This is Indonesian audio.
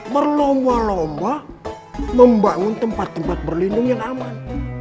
berlomba lomba membangun tempat tempat berlindung yang aman